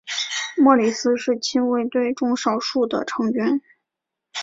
莫里斯是亲卫队中少数的成员。